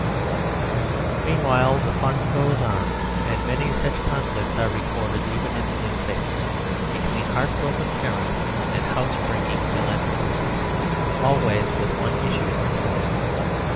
Meanwhile the fun goes on; and many such conflicts are recorded, even in the newspapers, between heart broken parents and house breaking philanthropists; always with one issue, of course.